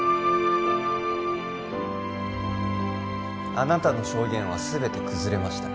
あなたの証言はすべて崩れました